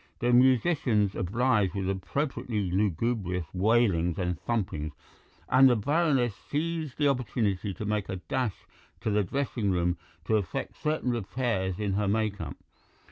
The musicians obliged with appropriately lugubrious wailings and thumpings, and the Baroness seized the opportunity to make a dash to the dressing room to effect certain repairs in her make up.